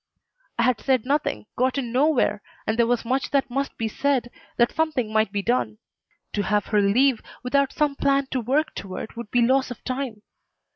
I had said nothing, gotten nowhere, and there was much that must be said that something might be done. To have her leave without some plan to work toward would be loss of time.